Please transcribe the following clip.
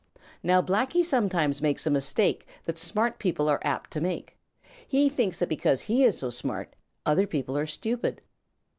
Now Blacky sometimes makes a mistake that smart people are very apt to make; he thinks that because he is so smart, other people are stupid.